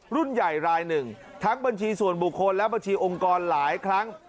รุ่นใหญ่รายหนึ่งทั้งบัญชีส่วนบุคคลและบัญชีองค์กรหลายครั้ง